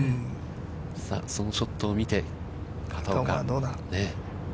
そのショットを見て、片岡。